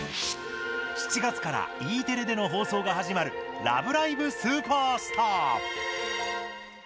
７月からＥテレでの放送が始まる「ラブライブ！スーパースター！！」。